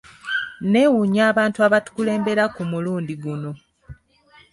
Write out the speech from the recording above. Nneewuunya abantu abatukulembera ku mulundi guno.